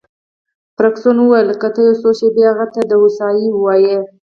فرګوسن وویل: که ته یو څو شپې هغې ته د هوسایۍ وواېې.